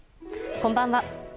こんばんは。